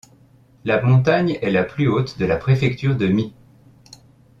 La montagne est la plus haute de la préfecture de Mie.